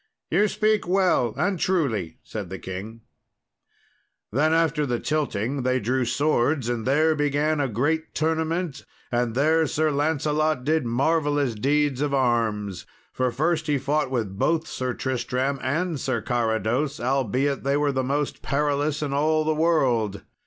"You speak well and truly," said the king. Then after the tilting, they drew swords, and there began a great tournament, and there Sir Lancelot did marvellous deeds of arms, for first he fought with both Sir Tristram and Sir Carados, albeit they were the most perilous in all the world.